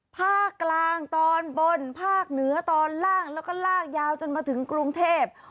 ภาคกลางตอนบนภาคเหนือตอนล่างแล้วก็ลากยาวจนมาถึงกรุงเทพ